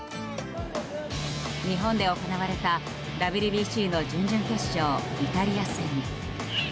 日本で行われたＷＢＣの準々決勝、イタリア戦。